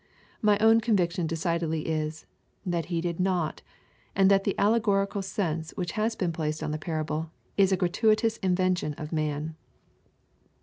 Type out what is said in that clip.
My own conviction decidedly is, that He did not; and that the alle gorical sense which has been placed on the parable, is a gratuitous invention of man.